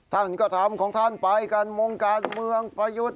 ท่านก็ทำของท่านไปการโมงการเมือง